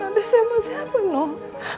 gak ada siapa siapa loh